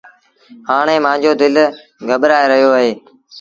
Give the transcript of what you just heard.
هآڻي مآݩجو دل گٻرآئي رهيو اهي۔